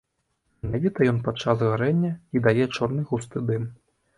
Менавіта ён падчас гарэння і дае чорны густы дым.